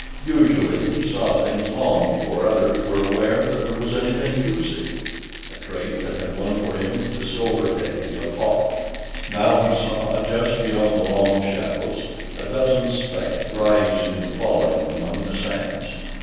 Usually he saw things long before others were aware that there was anything to see—a trait that had won for him the sobriquet of Hawk. Now he saw, just beyond the long shadows, a dozen specks rising and falling among the sands.